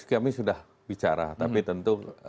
kami sudah bicara tapi tentu